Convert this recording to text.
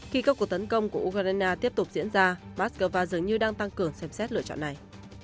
khi các cuộc tấn công của ukraine tiếp tục diễn ra moscow dường như đang tăng cường xem xét lựa chọn này